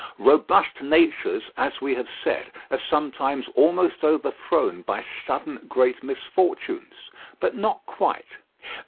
Robust natures, as we have said, are sometimes almost overthrown by sudden great misfortunes; but not quite.